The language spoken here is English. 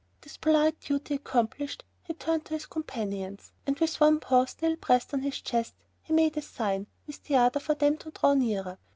This polite duty accomplished, he turned to his companions, and with one paw still pressed on his chest, he made a sign with the other for them to draw nearer.